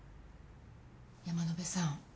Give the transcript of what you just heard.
山野辺さん